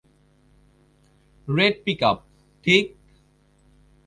Red pickup, ঠিক?